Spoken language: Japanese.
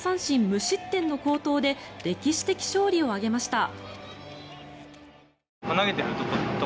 無失点の好投で歴史的勝利を挙げました。